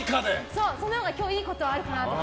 そう、そのほうが今日いいことあるかなって。